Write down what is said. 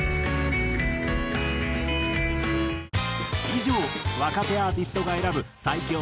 以上若手アーティストが選ぶ最強